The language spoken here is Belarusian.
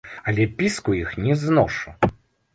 Але піску іх не зношу.